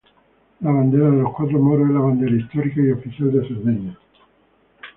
La bandera de los Cuatro Moros es la bandera histórica y oficial de Cerdeña.